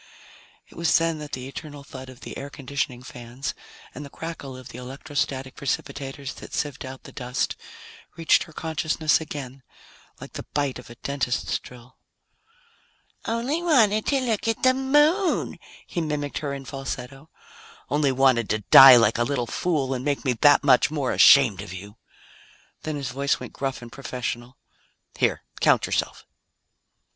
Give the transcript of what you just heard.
It was then that the eternal thud of the air conditioning fans and the crackle of the electrostatic precipitators that sieved out the dust reached her consciousness again like the bite of a dentist's drill. "Only wanted to look at the Moon!" he mimicked her in falsetto. "Only wanted to die like a little fool and make me that much more ashamed of you!" Then his voice went gruff and professional. "Here, count yourself."